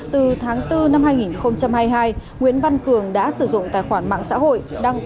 từ tháng bốn năm hai nghìn hai mươi hai nguyễn văn cường đã sử dụng tài khoản mạng xã hội đăng